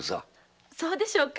そうでしょうか？